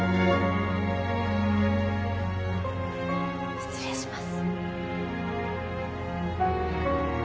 失礼します